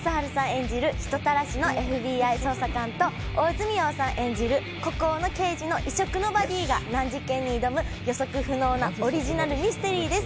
演じる人たらしのＦＢＩ捜査官と大泉洋さん演じる孤高の刑事の異色のバディが難事件に挑む予測不能なオリジナルミステリーです